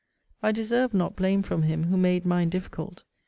I deserved not blame from him, who made mine difficult.